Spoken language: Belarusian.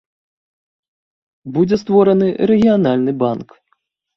Будзе створаны рэгіянальны банк.